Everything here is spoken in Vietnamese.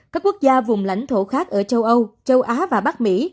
các quốc gia vùng lãnh thổ khác ở châu âu châu á và bắc mỹ